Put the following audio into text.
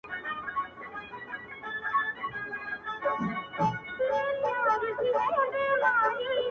ته صاحب د کم هنر یې ته محصل که متعلم یې,